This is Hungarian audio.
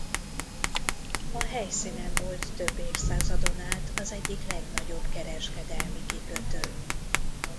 A helyszínen volt több évszázadon át az egyik legnagyobb kereskedelmi kikötő.